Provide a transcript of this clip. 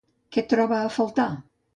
Què troba a faltar?